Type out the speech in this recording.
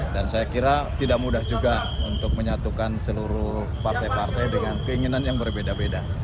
dan saya kira tidak mudah juga untuk menyatukan seluruh partai partai dengan keinginan yang berbeda beda